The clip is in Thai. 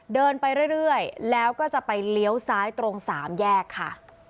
เดินไปเรื่อยแล้วก็จะไปเลี้ยวซ้ายตรงสามแยกค่ะ